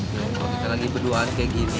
kalau kita lagi berduaan kayak gini